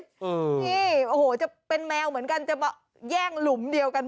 นี่โอ้โหจะเป็นแมวเหมือนกันจะมาแย่งหลุมเดียวกัน